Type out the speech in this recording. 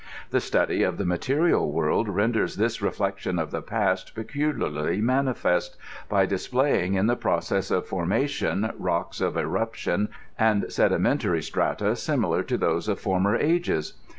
The study of the material world renders this reflection of the past peculiar ly manifest, by displaying in the process of formation rocks of eruption and sedimentary strata similar to those of former ages.